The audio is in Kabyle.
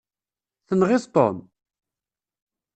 Tenɣiḍ Tom?